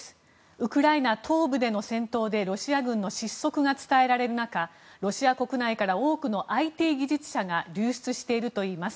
ウクライナ東部での戦闘でロシア軍の失速が伝えられる中ロシア国内から多くのＩＴ技術者が流出しているといいます。